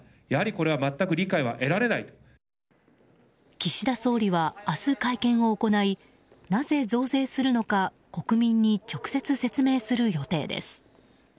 岸田総理は明日、会見を行いなぜ増税するのか国民に直接説明する予定です。